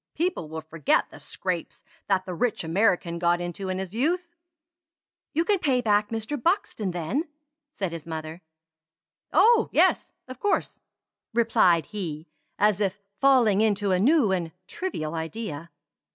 People will forget the scrapes that the rich American got into in his youth." "You can pay back Mr. Buxton then," said his mother. "Oh, yes of course," replied he, as if falling into a new and trivial idea.